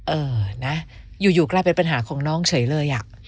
เออนะอยู่กลายเป็นปัญหาของน้องเฉยเลย